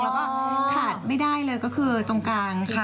แล้วก็ขาดไม่ได้เลยก็คือตรงกลางค่ะ